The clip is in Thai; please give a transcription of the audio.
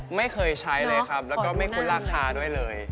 ไม่เคยใช้เลยครับแล้วก็ไม่คุ้นราคาด้วยเลย